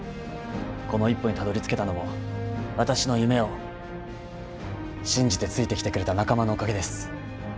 この一歩にたどりつけたのも私の夢を信じてついてきてくれた仲間のおかげです。